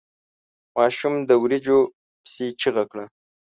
ماشوم د وريجو پسې چيغه کړه.